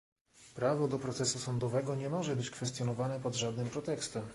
Prawo do procesu sądowego nie może być kwestionowane pod żadnym pretekstem